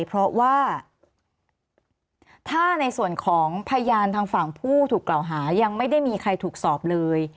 เพราะว่าถ้าในส่วนของพยานทางฝั่งผู้ถูกกล่าวหายังไม่ได้มีใครถูกสอบเลย